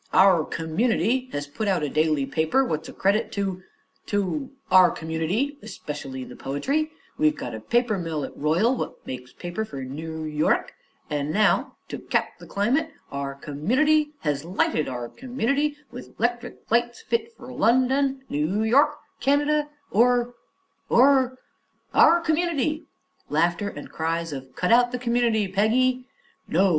Our community hes put out a daily paper what's a credit to to our community, especially the poetry; we've got a paper mill at Royal what makes paper fer New Yoruk; an' now, to cap the climate, our community hes lighted our community with 'lectric lights fit fer Lundon, New Yoruk, Canada or or or our community. (Laughter and cries of "Cut out the community, Peggy!") No!